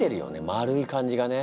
丸い感じがね。